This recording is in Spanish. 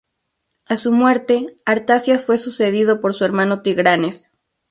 A su muerte, Artaxias fue sucedido por su hermano Tigranes.